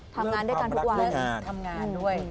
ทำงานด้วยความรักทำงานด้วย